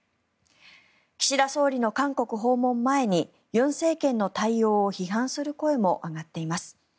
岸田総理の韓国訪問前に尹政権の対応を批判する声も上がっています。